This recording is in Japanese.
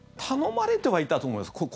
頼まれてはいたと思います。